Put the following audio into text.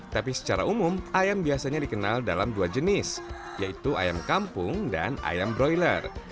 tapi secara umum ayam biasanya dikenal dalam dua jenis yaitu ayam kampung dan ayam broiler